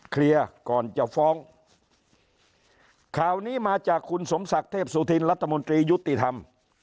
เคลียร์ก่อนจะฟ้องข่าวนี้มาจากคุณสมศักดิ์เทพสุธินรัฐมนตรียุติธรรม